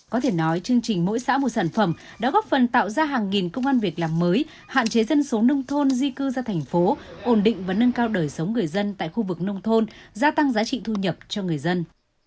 có thể nói chương trình mỗi xã một sản phẩm đã góp phần tạo ra hàng nghìn công an việc làm mới hạn chế dân số nông thôn di cư ra thành phố ổn định và nâng cao đời sống người dân tại khu vực nông thôn gia tăng giá trị thu nhập cho người dân